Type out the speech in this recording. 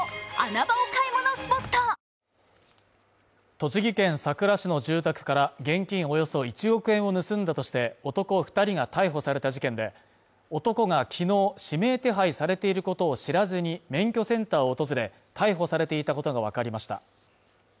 栃木県さくら市の住宅から現金およそ１億円を盗んだとして男２人が逮捕された事件で、男が昨日指名手配されていることを知らずに、免許センターを訪れ逮捕されていたことがわかりました。